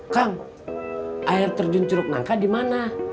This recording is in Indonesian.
kang air terjun curug nangka dimana